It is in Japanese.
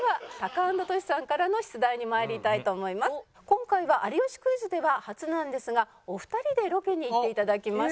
今回は『有吉クイズ』では初なんですがお二人でロケに行っていただきました。